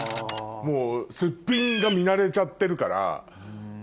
もうスッピンが見慣れちゃってるから。